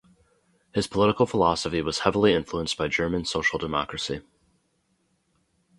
His political philosophy was heavily influenced by German social democracy.